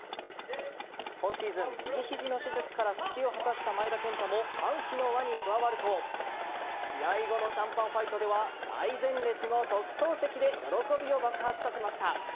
今シーズン、右肘の手術から復帰を果たした前田健太も歓喜の輪に加わると試合後のシャンパンファイトでは最前列の特等席で喜びを爆発させました。